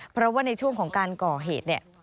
เพราะว่าในช่วงของการก่อเหตุเนี่ย